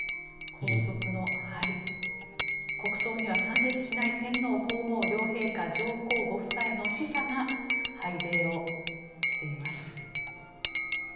国葬には参列しない天皇・皇后両陛下上皇ご夫妻の使者が拝礼をしています。